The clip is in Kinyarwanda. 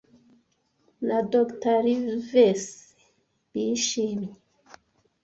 na Dr. Livesey bishimye.